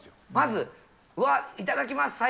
まず、いただきます！